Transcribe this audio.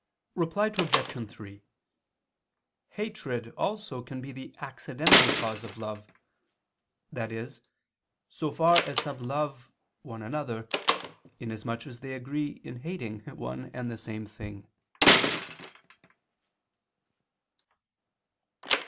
Reply Obj. 3: Hatred also can be the accidental cause of love: i.e. so far as some love one another, inasmuch as they agree in hating one and the same thing.